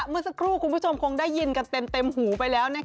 เมื่อสักครู่คุณผู้ชมคงได้ยินกันเต็มหูไปแล้ว